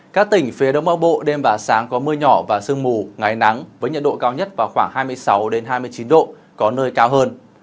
các tỉnh phía đông bắc bộ đêm và sáng có mưa nhỏ và sương mù ngày nắng với nhiệt độ cao nhất vào khoảng hai mươi sáu hai mươi chín độ có nơi cao hơn